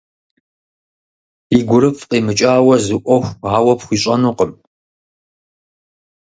И гурыфӏ къимыкӏауэ зы ӏуэху ауэ пхуищӏэнукъым.